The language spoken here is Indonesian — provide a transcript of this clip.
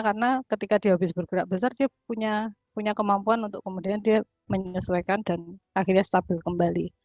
karena ketika dia habis bergerak besar dia punya kemampuan untuk kemudian dia menyesuaikan dan akhirnya stabil kembali